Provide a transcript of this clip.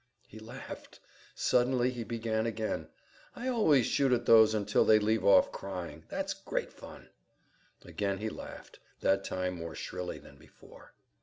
He laughed. Suddenly he began again: "I always shoot at those until they leave off crying—that's great fun." Again he laughed, that time more shrilly than before.